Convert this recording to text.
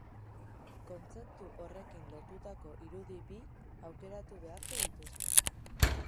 kontzeptu horrekin lotutako irudi bi aukeratu beharko dituzte.